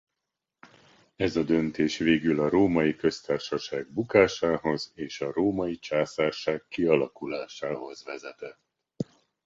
Ez a döntés végül a Római Köztársaság bukásához és a római császárság kialakulásához vezetett.